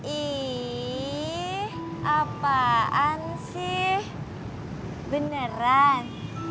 ih apaan sih beneran